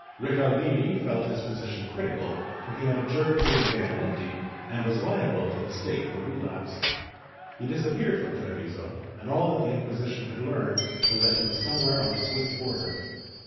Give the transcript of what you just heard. Rical dini felt his position critical, for he had abjured de vehemenii and was liable to the stake for relapse. He disappeared from Treviso and all that the Inquisition could learn was that he was somewhere on the Swiss border.